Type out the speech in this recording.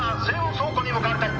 倉庫に向かわれたい」